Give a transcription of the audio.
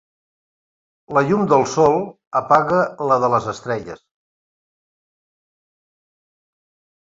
La llum del sol apaga la de les estrelles.